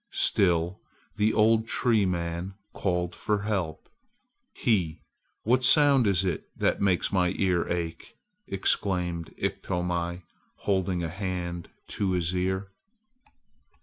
Still the old tree man called for help. "He! What sound is it that makes my ear ache!" exclaimed Iktomi, holding a hand on his ear.